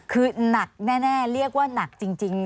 คือหนักแน่เรียกว่าหนักจริง